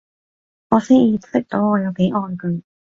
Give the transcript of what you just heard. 我先意識到我有幾愛佢